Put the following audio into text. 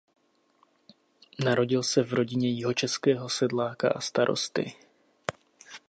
Narodil se v rodině jihočeského sedláka a starosty.